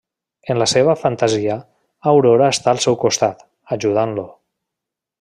En la seva fantasia, Aurora està al seu costat, ajudant-lo.